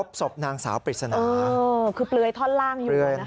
ไปพบสมบุลนางสาวปริศนาภรรยาคือเปอร์เบลยท่อนล่างอยู่บนนะคะ